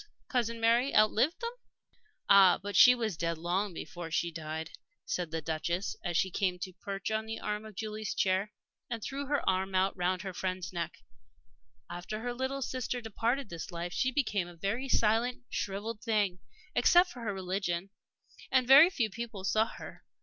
Cousin Mary outlived them." "Ah, but she was dead long before she died," said the Duchess as she came to perch on the arm of Julie's chair, and threw her arm round her friend's neck. "After her little sister departed this life she became a very silent, shrivelled thing except for her religion and very few people saw her.